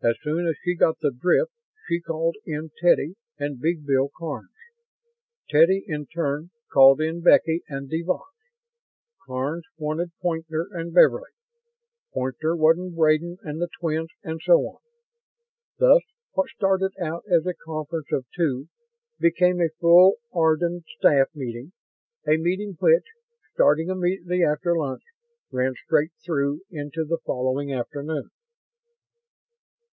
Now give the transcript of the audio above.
As soon as she got the drift, she called in Teddy and Big Bill Karns. Teddy in turn called in Becky and de Vaux; Karns wanted Poynter and Beverly; Poynter wanted Braden and the twins; and so on. Thus, what started out as a conference of two became a full Ardan staff meeting; a meeting which, starting immediately after lunch, ran straight through into the following afternoon.